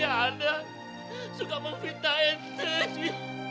eh hantar lu jadi baku lagi